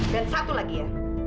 dan satu lagi ya